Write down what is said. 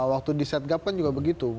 waktu di setgap kan juga begitu